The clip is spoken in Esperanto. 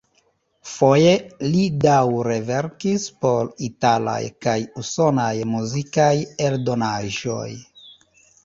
Foje li daŭre verkis por italaj kaj usonaj muzikaj eldonaĵoj.